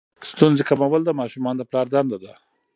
ستونزې کمول د ماشومانو د پلار دنده ده.